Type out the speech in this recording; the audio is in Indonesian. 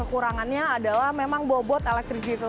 kekurangannya adalah memang bobot elektrik digital ini sedikit lebih besar